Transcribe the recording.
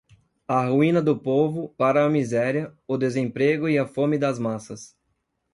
a ruína do povo, para a miséria, o desemprego e a fome das massas